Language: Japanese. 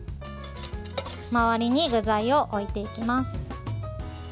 周りに具材を置いていきます。